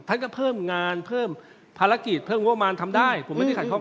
ท่านก็เพิ่มงานเพิ่มภารกิจเพิ่มงบมารทำได้ผมไม่ได้ขัดข้อง